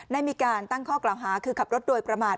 ได้มีการตั้งข้อกล่าวหาคือขับรถโดยประมาท